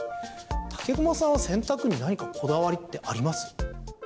武隈さんは洗濯に何かこだわりってあります？